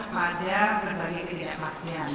pada berbagai ketidakpastian